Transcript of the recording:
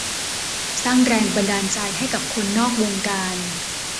สร้างแรงบันดาลใจให้กับคนนอกวงการ